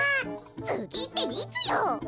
つぎっていつよ？